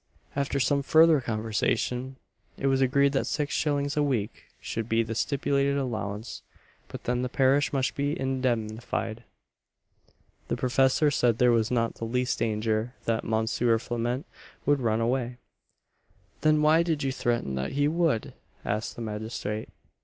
After some further conversation, it was agreed that six shillings a week should be the stipulated allowance; but then the parish must be indemnified. The professor said there was not the least danger that Mons. Flament would run away "Then why did you threaten that he would?" asked the magistrate.